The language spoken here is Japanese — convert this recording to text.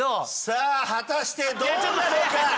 さあ果たしてどうなのか！